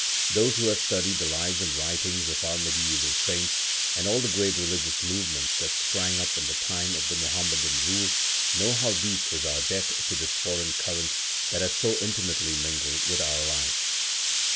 Those who have studied the lives and writings of our medieval saints, and all the great religious movements that sprang up in the time of the Muhammadan rule, know how deep is our debt to this foreign current that has so intimately mingled with our life.